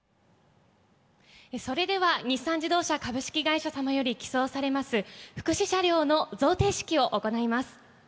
それでは日産自動車株式会社様より寄贈されます、福祉車両の贈呈式を行います。